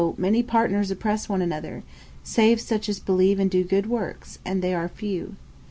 many partners oppress one another, save such as believe and do good works, and they are few.